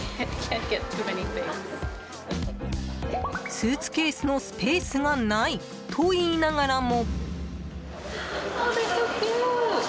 スーツケースのスペースがないと言いながらも。